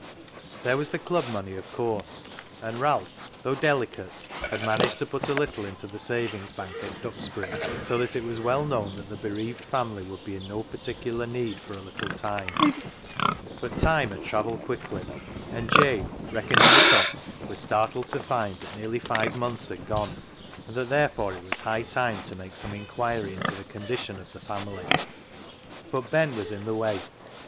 There was the club money, of course, and Ralph, though delicate, had managed to put a little into the savings bank at Duxbury ; so that it was well known that the bereaved family would be in no par ticular need for a little time. But time had travelled quickly, and Jabe, reckoning it up, was startled to find that nearly five months had gone, and that therefore it was high time to make some inquiry into the condition of the family. But Ben was in the way.